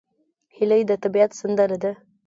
هیلۍ د طبیعت سندره ده